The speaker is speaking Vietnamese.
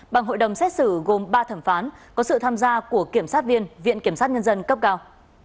bằng hội đồng xét xử gồm ba thẩm phán có sự tham gia của kiểm sát viên viện kiểm sát nhân dân cấp cao